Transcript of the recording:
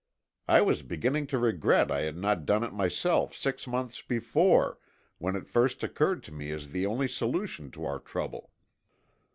I was beginning to regret I had not done it myself six months before when it first occurred to me as the only solution to our trouble.